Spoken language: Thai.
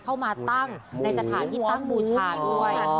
เข้ามาตั้งในสถานที่ตั้งบูชาด้วย